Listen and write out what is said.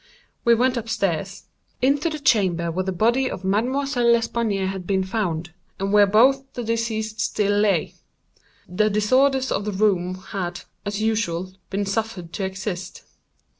We went up stairs—into the chamber where the body of Mademoiselle L'Espanaye had been found, and where both the deceased still lay. The disorders of the room had, as usual, been suffered to exist.